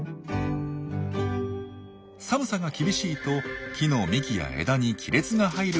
寒さが厳しいと木の幹や枝に亀裂が入ることがあります。